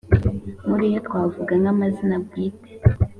muri yo twavuga nk’amazina bwite